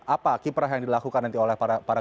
apa kiprah yang dilakukan nanti oleh para